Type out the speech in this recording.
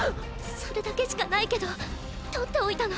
それだけしかないけど取っておいたの。